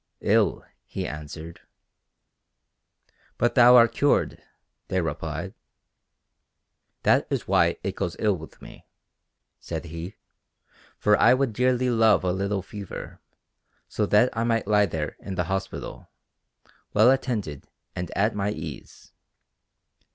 "Ill," he answered. "But thou art cured," they replied. "That is why it goes ill with me," said he, "for I would dearly love a little fever, so that I might lie there in the hospital, well attended and at my ease."